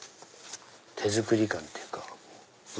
手作り感っていうか。